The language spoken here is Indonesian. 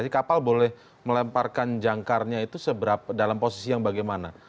jadi kapal boleh melemparkan janggarnya itu dalam posisi yang bagaimana